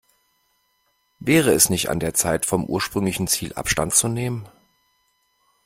Wäre es nicht an der Zeit, vom ursprünglichen Ziel Abstand zu nehmen?